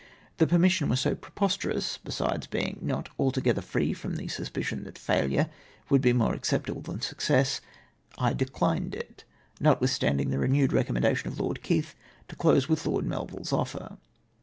The permission was so preposterous, besides being not altogether free from the suspicion that failure woidd be more acceptable than success, I declined it, notwithstanding the renewed recommendation of Lord Keith to close with Lord Melville's offer.